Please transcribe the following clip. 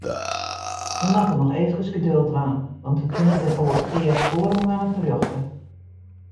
Wy moatte noch eefkes geduld dwaan, want we kinne dêr earst oare moanne terjochte.